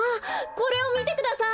これをみてください！